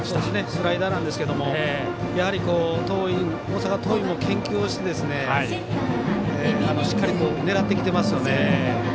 スライダーなんですけどやはり、大阪桐蔭も研究をしてしっかり狙ってきてますよね。